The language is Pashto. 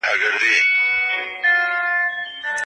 که ميرمن امر ونه مني څه به پېښ سي؟